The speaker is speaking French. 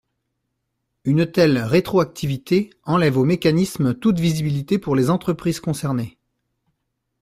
Une telle rétroactivité enlève au mécanisme toute visibilité pour les entreprises concernées.